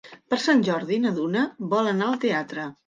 Per Sant Jordi na Duna vol anar al teatre.